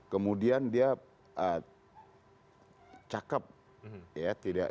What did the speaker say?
kemudian dia cakep tidak memiliki perbuatan tercelana